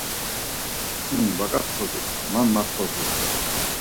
Sin va gatxozu man matxozu.